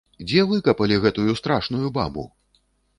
Дзе выкапалі гэтую страшную бабу?